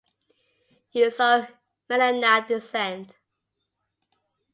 He is of Melanau descent.